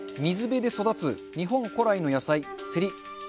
水辺で育つ、日本古来の野菜、せり。